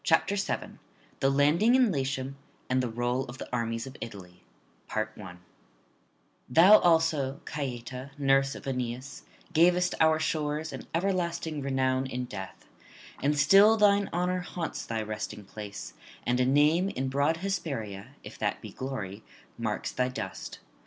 BOOK SEVENTH THE LANDING IN LATIUM, AND THE ROLL OF THE ARMIES OF ITALY Thou also, Caieta, nurse of Aeneas, gavest our shores an everlasting renown in death; and still thine honour haunts thy resting place, and a name in broad Hesperia, if that be glory, marks thy dust.